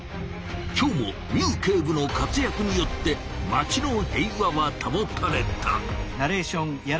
今日もミウ警部の活やくによって街の平和はたもたれた！